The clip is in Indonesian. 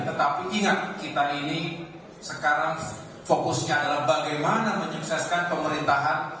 tetapi ingat kita ini sekarang fokusnya adalah bagaimana menyukseskan pemerintahan